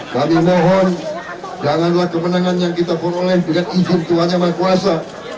kami mohon janganlah kemenangan yang kita pun oleh dengan izin tuhan yang maha esa